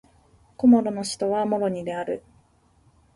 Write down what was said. コモロの首都はモロニである